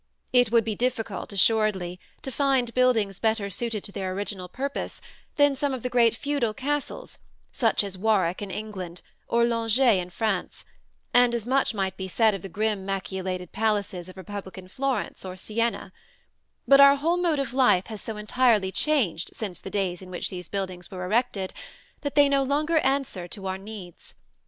It would be difficult, assuredly, to find buildings better suited to their original purpose than some of the great feudal castles, such as Warwick in England, or Langeais in France; and as much might be said of the grim machicolated palaces of republican Florence or Siena; but our whole mode of life has so entirely changed since the days in which these buildings were erected that they no longer answer to our needs.